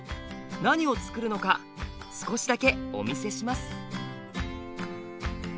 何をつくるのか少しだけお見せします。